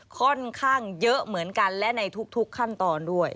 ค่อนข้างเยอะเหมือนกันและในทุกขั้นตอนด้วย